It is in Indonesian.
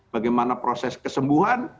bagaimana proses kesembuhan